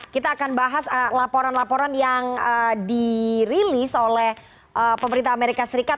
kita akan bahas laporan laporan yang dirilis oleh pemerintah amerika serikat